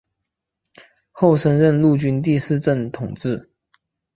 后升任陆军第四镇统制。